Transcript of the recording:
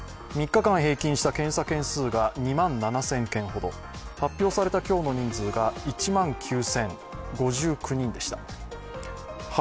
３日間平均した検査件数が２万７０００件ほど発表された今日の人数が１万９０５９人でした。